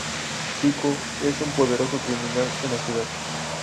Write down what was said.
Zico es un poderoso criminal en la ciudad.